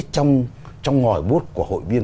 trong ngòi bút của hội viên